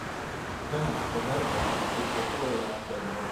Venas proverbo el popola la cerbo.